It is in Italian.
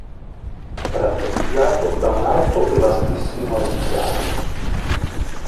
Caratterizzato da un alto e vastissimo altipiano.